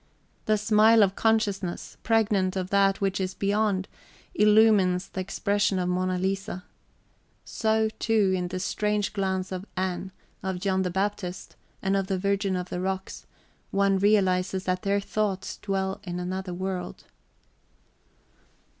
The smile of consciousness, pregnant of that which is beyond, illumines the expression of Mona Lisa. So, too, in the strange glance of Ann, of John the Baptist, and of the Virgin of the Rocks, one realizes that their thoughts dwell in another world.